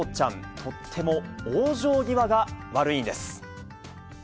とっても往生際が悪いんです。